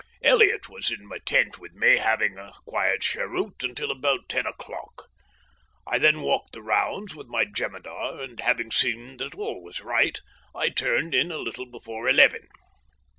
Elliott was in my tent with me having a quiet cheroot until about ten o'clock. I then walked the rounds with my jemidar, and having seen that all was right I turned in a little before eleven.